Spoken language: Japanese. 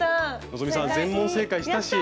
希さん全問正解したし。